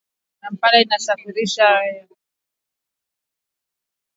Kampala inasafirisha kwenda jamhuri ya kidemokrasia ya Kongo